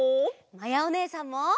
まやおねえさんも！